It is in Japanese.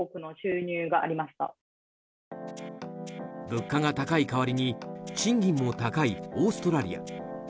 物価が高い代わりに賃金も高いオーストラリア。